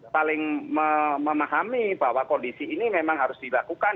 saling memahami bahwa kondisi ini memang harus dilakukan